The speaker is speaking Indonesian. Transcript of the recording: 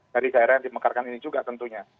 dari daerah yang dimekarkan ini juga tentunya